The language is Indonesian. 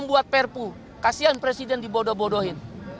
buat perpu kasihan presiden dibodoh bodohin